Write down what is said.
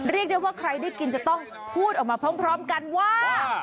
เรียกได้ว่าใครได้กินจะต้องพูดออกมาพร้อมกันว่า